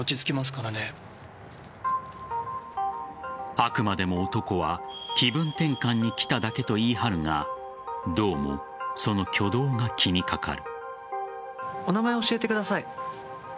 あくまでも、男は気分転換に来ただけと言い張るがどうも、その挙動が気にかかる。